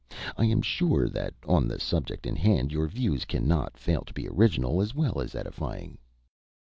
I am sure that on the subject in hand your views cannot fail to be original as well as edifying."